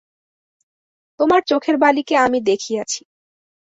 তোমার চোখের বালিকে আমি দেখিয়াছি।